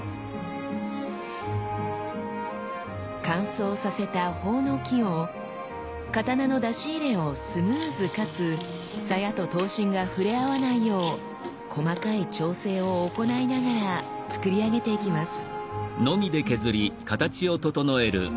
乾燥させた朴の木を刀の出し入れをスムーズかつ鞘と刀身が触れ合わないよう細かい調整を行いながら作り上げていきます。